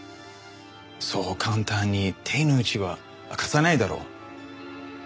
そう簡単に手の内は明かさないだろう。